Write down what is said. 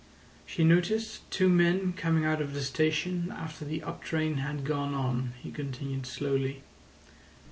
She noticed two men coming out of the station after the uptrain had gone on," he continued slowly.